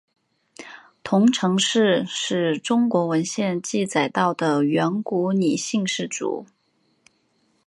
彤城氏是中国文献记载到的远古姒姓氏族。